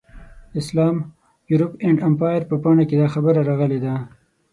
اسلام، یورپ اینډ امپایر په پاڼه کې دا خبره راغلې ده.